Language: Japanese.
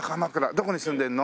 「どこに住んでるの？」